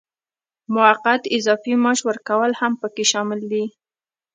موقت اضافي معاش ورکول هم پکې شامل دي.